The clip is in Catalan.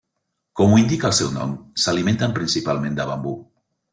Com ho indica el seu nom, s'alimenten principalment de bambú.